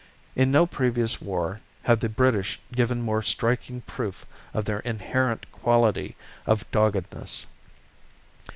In no previous war have the British given more striking proof of their inherent quality of doggedness.